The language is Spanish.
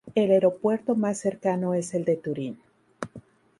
El aeropuerto más cercano es el de Turín.